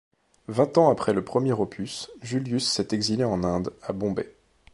Vingt ans après le premier opus, Julius s'est exilé en Inde, à Bombay.